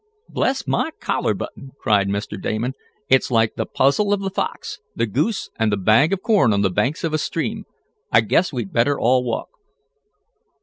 "Bless my collar button!" cried Mr. Damon. "It's like the puzzle of the fox, the goose and the bag of corn on the banks of a stream. I guess we'd better all walk."